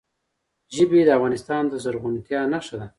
ژبې د افغانستان د زرغونتیا نښه ده.